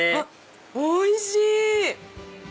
おいしい！